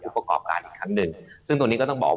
ประกอบการอีกครั้งหนึ่งซึ่งตรงนี้ก็ต้องบอกว่า